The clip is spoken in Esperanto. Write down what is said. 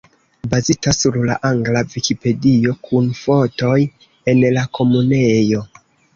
Bazita sur la angla Vikipedio, kun fotoj el la Komunejo.